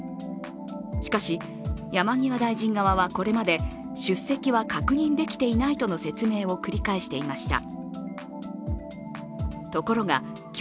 しかし、山際大臣側はこれまで出席は確認できていないとの説明を繰り返していました。